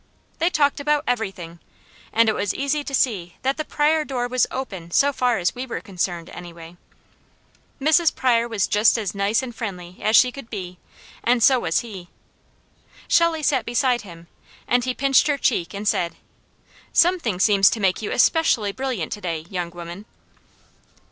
They talked about everything, and it was easy to see that the Pryor door was OPEN so far as we were concerned, anyway. Mrs. Pryor was just as nice and friendly as she could be, and so was he. Shelley sat beside him, and he pinched her cheek and said: "Something seems to make you especially brilliant today, young woman!"